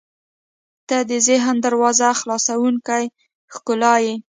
• ته د ذهن دروازه خلاصوونکې ښکلا یې.